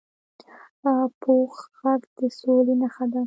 پوخ غږ د سولي نښه ده